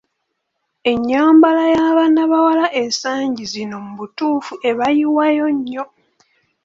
Ennyambala y'abaana bawala ensagi zino mu butuufu ebayiwayo nnyo!